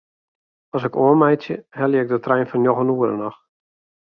As ik oanmeitsje helje ik de trein fan njoggen oere noch.